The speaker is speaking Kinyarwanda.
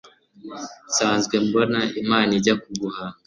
nsanzwe mbona, imana ijya kuguhanga